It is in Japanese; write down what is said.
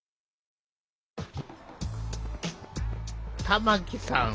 玉木さん